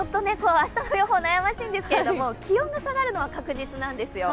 明日の予報、悩ましいんですけど気温が下がるのは確実なんですよ。